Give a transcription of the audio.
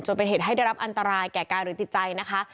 เป็นเหตุให้ได้รับอันตรายแก่กายหรือจิตใจนะคะ